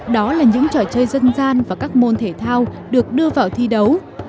đó là những trò chơi dân gian và các môn thể thao được đưa vào thi đấu